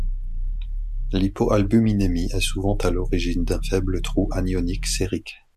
L'hypoalbuminémie est souvent à l'origine d'un faible trou anionique sérique.